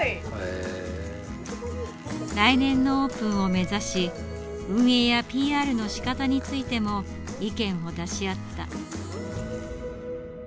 来年のオープンを目指し運営やＰＲのしかたについても意見を出し合った。